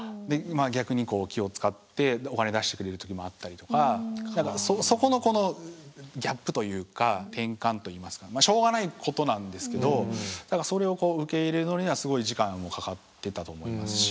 逆に気を遣ってお金出してくれる時もあったりとかそこのこのギャップというか転換といいますかしょうがないことなんですけどそれを受け入れるのにはすごい時間もかかってたと思いますし。